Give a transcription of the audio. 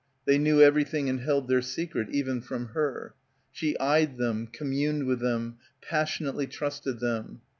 They knew everything and held their secret, even from her. She eyed them, communed with them, passionately trusted them.